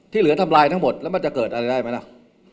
เหลือทำลายทั้งหมดแล้วมันจะเกิดอะไรได้ไหมล่ะ